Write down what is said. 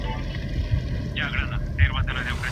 څه وخت دولتي شرکتونه نخودي هیواد ته راوړي؟